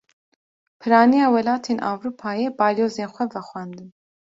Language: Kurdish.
Piraniya welatên Ewropayê, balyozên xwe vexwendin